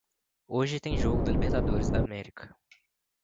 Hoje tem jogo da Libertadores da América.